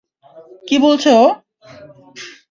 কী বলছে ও?